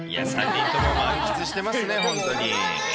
３人とも満喫してますね、本当に。